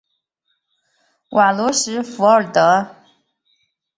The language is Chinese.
瓦罗什弗尔德。